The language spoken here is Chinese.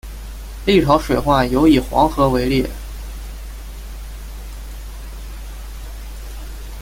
历朝水患尤以黄河为烈。